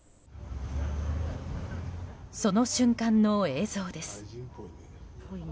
その瞬間の映像です。